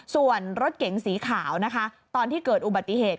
ส่วนรถเก๋งสีขาวนะคะตอนที่เกิดอุบัติเหตุ